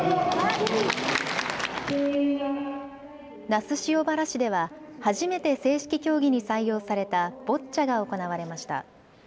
那須塩原市では初めて正式競技に採用されたボッチャが行われました。